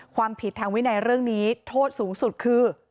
ความผิดทางวินัยเรื่องนี้โทษสูงสุดคือ